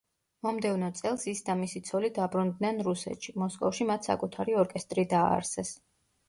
მომდევნო წელს ის და მისი ცოლი დაბრუნდნენ რუსეთში; მოსკოვში მათ საკუთარი ორკესტრი დააარსეს.